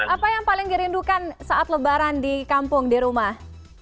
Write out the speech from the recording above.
apa yang paling dirindukan saat lebaran di kampung di rumah